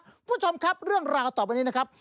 คุณผู้ชมครับเรื่องราวต่อไปนี้นะครับ